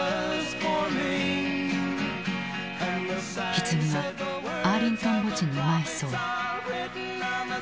ひつぎはアーリントン墓地に埋葬。